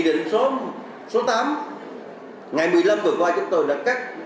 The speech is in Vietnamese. văn phòng chính phủ đã tham mưu cho thủ tướng chính phủ để giải phóng kích sản xuất